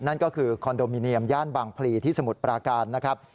นั่นก็คือคอนโดมิเนียมย่านบางพลีที่สมุทรปราการนะครับ